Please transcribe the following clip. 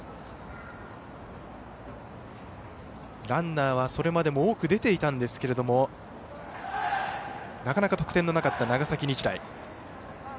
ランナーはそれまでも多く出ていたんですけれどもなかなか得点のなかった長崎日大。